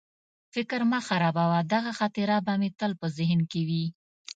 فکر مه خرابوه، دغه خاطره به مې تل په ذهن کې وي.